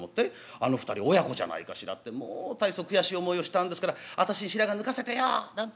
『あの２人親子じゃないかしら』ってもう大層悔しい思いをしたんですから私に白髪抜かせてよ！」なんて